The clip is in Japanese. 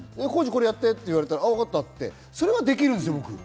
浩次、これやって！って言われたら、わかったって、それはできるんですよ。